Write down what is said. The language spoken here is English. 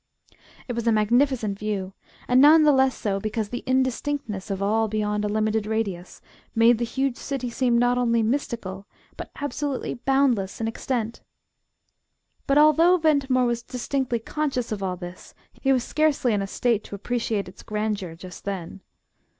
It was a magnificent view, and none the less so because the indistinctness of all beyond a limited radius made the huge City seem not only mystical, but absolutely boundless in extent. But although Ventimore was distinctly conscious of all this, he was scarcely in a state to appreciate its grandeur just then.